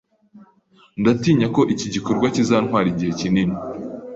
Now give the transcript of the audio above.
Ndatinya ko iki gikorwa kizantwara igihe kinini.